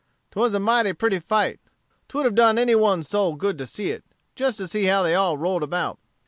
"'Twas a mighty pretty fight 'twould have done any one's soul good to see it, just to see how they all rolled about.